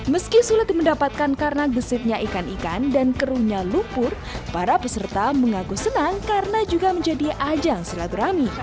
meski sulit mendapatkan karena gesitnya ikan ikan dan keruhnya lumpur para peserta mengaku senang karena juga menjadi ajang silaturahmi